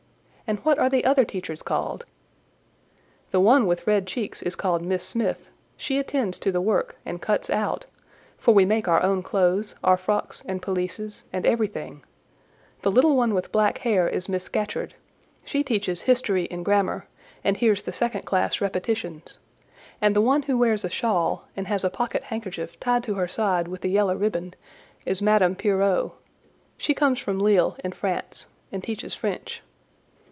"And what are the other teachers called?" "The one with red cheeks is called Miss Smith; she attends to the work, and cuts out—for we make our own clothes, our frocks, and pelisses, and everything; the little one with black hair is Miss Scatcherd; she teaches history and grammar, and hears the second class repetitions; and the one who wears a shawl, and has a pocket handkerchief tied to her side with a yellow ribband, is Madame Pierrot: she comes from Lisle, in France, and teaches French."